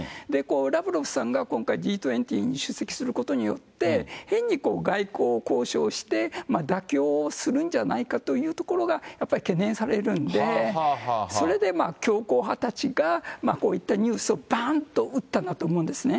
ラブロフさんが今回、Ｇ２０に出席することによって、変に外交交渉して、妥協をするんじゃないかというところが、やっぱり懸念されるんで、それで強硬派たちが、こういったニュースをばーんと打ったんだと思うんですね。